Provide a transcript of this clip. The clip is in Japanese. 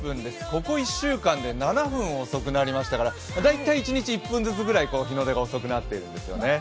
ここ１週間で７分遅くなりましたから、大体、１日１分ずつ日の出が遅くなってるんですよね。